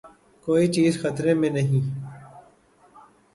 کوئی چیز خطرے میں نہیں۔